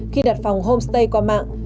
khi đặt phòng homestay qua mạng